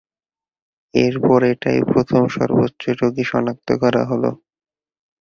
এরপর এটাই প্রথম সর্বোচ্চ রোগী শনাক্ত করা হলো।